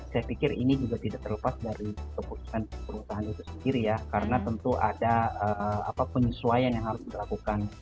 saya pikir ini juga tidak terlepas dari keputusan perusahaan itu sendiri ya karena tentu ada penyesuaian yang harus dilakukan